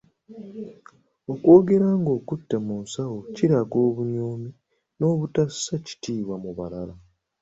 Okwogera ng'okutte mu nsawo kiraga obunyoomi n'obutassa kitiibwa mu bamala.